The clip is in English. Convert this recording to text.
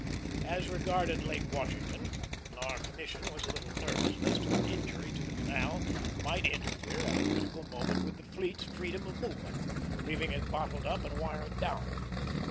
As regarded Lake Washington, our commission was a little nervous lest an injury to the canal might interfere at a critical moment with the fleet's freedom of movement, leaving it bottled up, and wired down.